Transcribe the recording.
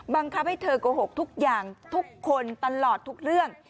บังคับให้เธอโกหกทุกอย่างทุกคนตลอดทุกเรื่อง